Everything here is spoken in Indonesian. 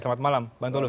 selamat malam bang tulus